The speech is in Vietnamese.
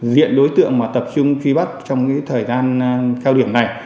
diện đối tượng mà tập trung truy bắt trong thời gian cao điểm này